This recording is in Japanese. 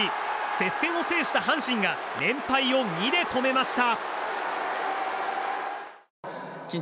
接戦を制した阪神が連敗を２で止めました。